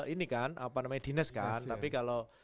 ini kan apa namanya dinas kan tapi kalau